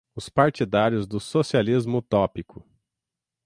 os partidários do socialismo utópico